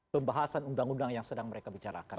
pembahasan uu yang sedang mereka bicarakan